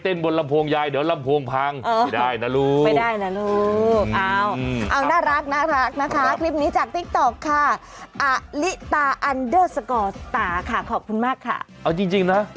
เอาจริงนะ